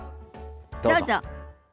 どうぞ。